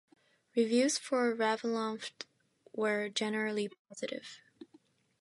Reviews for "Ravenloft" were generally positive.